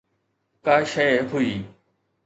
ڪا شيءِ هئي.